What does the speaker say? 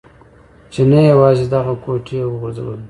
چې نه یوازې دغه کوټې يې و غورځولې.